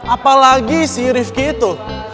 apalagi si rifki itu